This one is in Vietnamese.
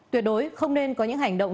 tuyệt đối không nên có những hành động